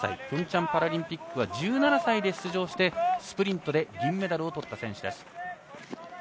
ピョンチャンパラリンピックは１７歳で出場してスプリントで銀メダルをとった選手です。